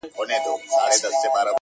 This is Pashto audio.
• د شعر د پیغام په برخه کي پوښتنه وسي -